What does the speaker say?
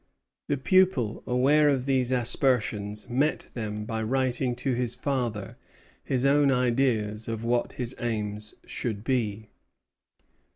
The pupil, aware of these aspersions, met them by writing to his father his own ideas of what his aims should be.